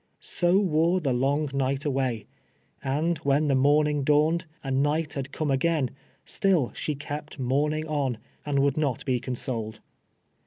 So wore the long night away ; and when the morning dawned, and night had come again, still she kept mourning on, and would not be consoled.